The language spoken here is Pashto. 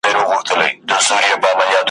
له آدمه تر دې دمه دا قانون دی `